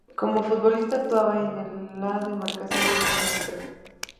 Como futbolista actuaba en la demarcación de defensa central.